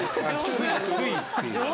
ついついっていう。